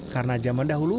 karena zaman dahulu